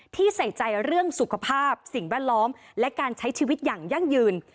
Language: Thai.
ใส่ใจเรื่องสุขภาพสิ่งแวดล้อมและการใช้ชีวิตอย่างยั่งยืน